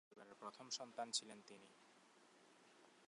পরিবারের প্রথম সন্তান ছিলেন তিনি।